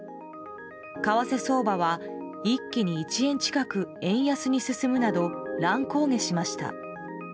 為替相場は一気に１円近く円安に進むなど乱高下しました。